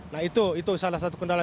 nah itu salah satu kendala